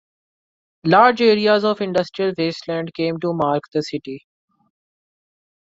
Large areas of industrial wasteland came to mark the city.